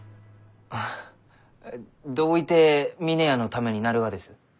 あどういて峰屋のためになるがです？